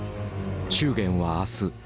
祝言は明日。